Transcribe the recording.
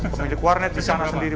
pemilik warnet di sana sendiri